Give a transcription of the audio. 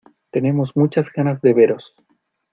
Tenemos muchas ganas de veros.